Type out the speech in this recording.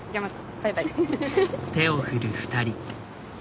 バイバイ。